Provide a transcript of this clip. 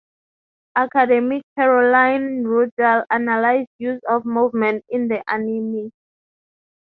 Academic Caroline Ruddell analysed use of movement in the anime.